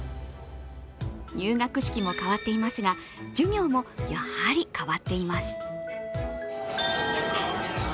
入学式も変わっていますが、授業もやはり変わっています。